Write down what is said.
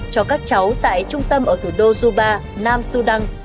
cho các cháu tại trung tâm ở thủ đô zuba nam sudan